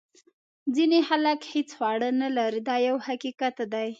ځینې خلک هیڅ خواړه نه لري دا یو حقیقت دی.